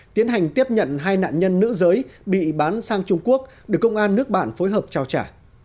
tiến hành tiếp nhận hai nạn nhân nữ giới bị bán sang trung quốc được công an nước bạn phối hợp trao trả